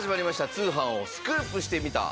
『通販をスクープしてみた！！』。